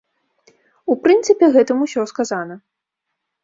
У прынцыпе, гэтым усё сказана.